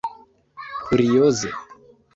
kurioze